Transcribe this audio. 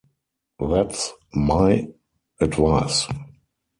That's "my" advice!